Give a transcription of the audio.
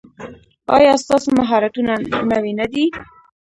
ایا ستاسو مهارتونه نوي نه دي؟